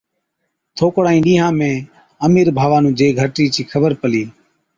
ٿوڪڙان ئِي ڏِيهان ۾ امِير ڀاوا نُون جي گھَرٽِي چِي خبر پلِي،